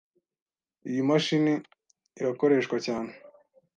Iyi mashini irakoreshwa cyane.